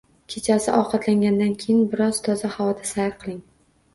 Kechasi ovqatlangandan keyin bir oz toza havoda sayr qiling.